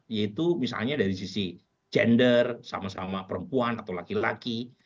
yaitu misalnya dari sisi gender sama sama perempuan atau laki laki